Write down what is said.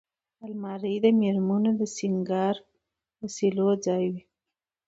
الماري د مېرمنو د سینګار وسیلو ځای وي